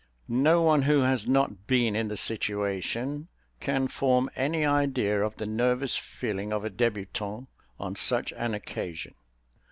No one who has not been in the situation can form any idea of the nervous feeling of a débutant on such an occasion.